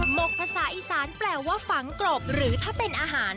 กภาษาอีสานแปลว่าฝังกรบหรือถ้าเป็นอาหาร